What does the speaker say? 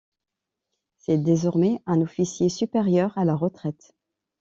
C'est désormais un officier supérieur à la retraite.